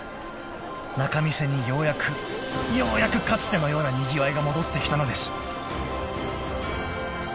［仲見世にようやくようやくかつてのようなにぎわいが戻ってきたのです］